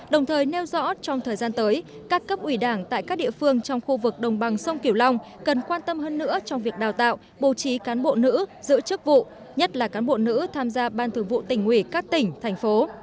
đồng thời nêu rõ trong thời gian tới các cấp ủy đảng tại các địa phương trong khu vực đồng bằng sông kiều lâm cần quan tâm hơn nữa trong việc đào tạo bầu trí cán bộ nữ giữ chức vụ nhất là cán bộ nữ tham gia ban thử vụ tình nguyện các tỉnh thành phố